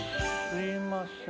すいません。